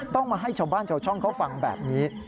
ต้องมาให้ชาวบ้านชาวช่องเขาฟังแบบนี้